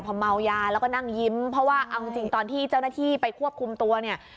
พอเมายาแล้วก็นั่งยิ้มเพราะว่าเอาจริงตอนที่เจ้าหน้าที่ไปควบคุมตัวเนี่ย